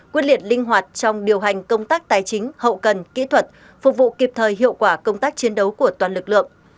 quyết liệt linh hoạt trong điều hành công tác tài chính hậu cần kỹ thuật phục vụ kịp thời hiệu quả công tác chiến đấu của toàn lực lượng